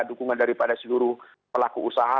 dukungan daripada seluruh pelaku usaha